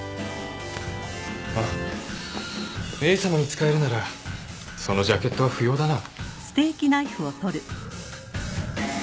あっメイさまに仕えるならそのジャケットは不要だな。